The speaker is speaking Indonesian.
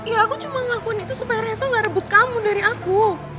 ya aku cuma ngelakuin itu supaya reva gak rebut kamu dari aku